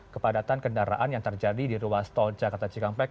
kepadatan kendaraan yang terjadi di ruas tol jakarta cikampek